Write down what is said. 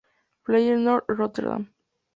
Feyenoord Rotterdam